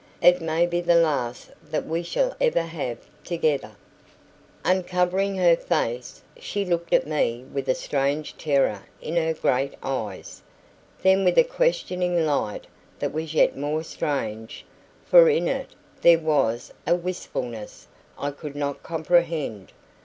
It may be the last that we shall ever have together!" Uncovering her face, she looked at me with a strange terror in her great eyes; then with a questioning light that was yet more strange, for in it there was a wistfulness I could not comprehend.